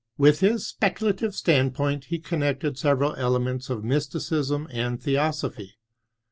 With his speculative standpoint he con nected several elements of mysticism and the osoj^y.